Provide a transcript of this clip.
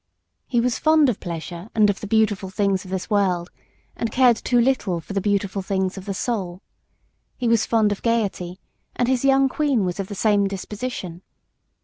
He was fond of pleasure and of the beautiful things of this world, and cared too little for the beautiful things of the soul. He was fond of gaiety, and his young queen was of the same disposition.